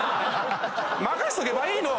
任しとけばいいの！